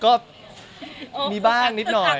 ก็มีบ้างนิดหน่อย